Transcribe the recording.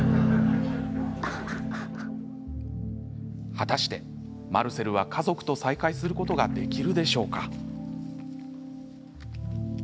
果たして、マルセルは家族と再会することができるのでしょうか？